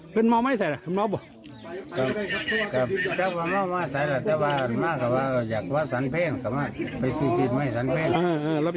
ไปสู่สิทธิ์ไหมฉันเพนด้วย